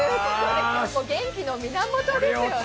元気の源ですよね。